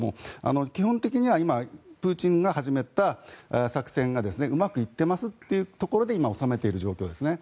基本的には今プーチンが始めた作戦がうまくいっていますというところで今、収めている状況ですね。